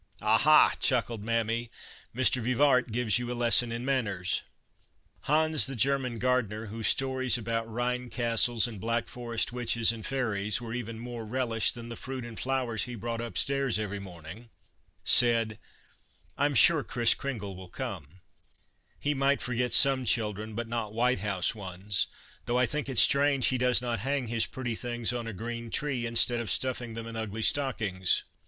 " Ah, ha !" chuckled Mammy, " Mr. Vivart gives you a lesson in manners." Hans, the German gardener, whose stories about Rhine castles and Black Forest witches and fairies were even more relished than the fruit and flowers he brought upstairs every morning, said :" I 'm sure Kris Kringle will come ; he might forget some children, but not White House ones, though 1 think it strange he does not hang his pretty things on a green tree instead of stuffing them in ugly stockings.